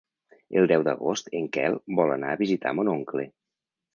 El deu d'agost en Quel vol anar a visitar mon oncle.